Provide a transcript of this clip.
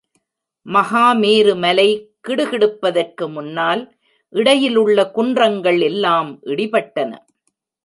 மகா மேரு மலை கிடு கிடுப்பதற்கு முன்னால் இடையிலுள்ள குன்றங்கள் எல்லாம் இடிபட்டன.